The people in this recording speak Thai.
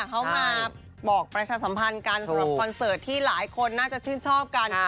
เขามาบอกประชาสัมพันธ์กันสำหรับคอนเสิร์ตที่หลายคนน่าจะชื่นชอบกัน